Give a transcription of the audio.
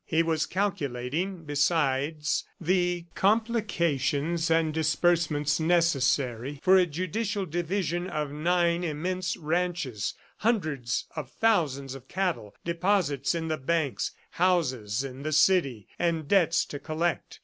He was calculating, besides, the complications and disbursements necessary for a judicial division of nine immense ranches, hundreds of thousands of cattle, deposits in the banks, houses in the city, and debts to collect.